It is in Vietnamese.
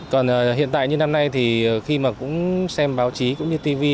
còn hiện tại như năm nay thì khi mà cũng xem báo chí cũng như tv